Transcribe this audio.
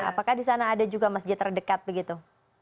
apakah di sana ada juga masjid terdekat begitu